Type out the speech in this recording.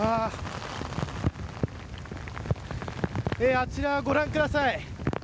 あちら、ご覧ください。